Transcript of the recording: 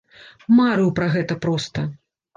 Марыў пра гэта проста!